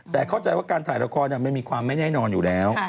แต่เข้าใจว่าการถ่ายละครมันมีความไม่แน่นอนอยู่แล้ว